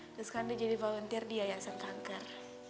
terus sekarang dia jadi volunteer di ayah yang siap kanker